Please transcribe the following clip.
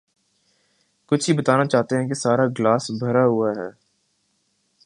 کچھ یہ بتانا چاہتے ہیں کہ سارا گلاس بھرا ہوا ہے۔